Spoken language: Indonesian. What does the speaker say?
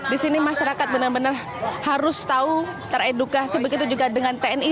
di sini masyarakat benar benar harus tahu teredukasi begitu juga dengan tni